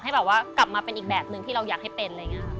ให้กลับมาเป็นอีกแบบหนึ่งที่เรายังให้เป็น